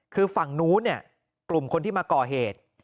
คือฝั่งนู้นเนี่ยกลุ่มคนที่มาก่อเหตุ